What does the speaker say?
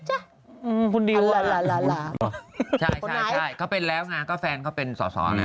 อันดีแล้วอะคุณลหลายเข้าไปแล้วไงก็แฟนเข้าเป็นส่อ